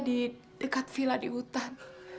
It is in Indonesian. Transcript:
di dekat villa di hutan